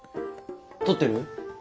取ってる？